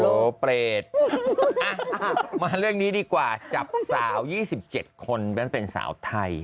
โลเปรตมาเรื่องนี้ดีกว่าจับสาว๒๗คนนั้นเป็นสาวไทย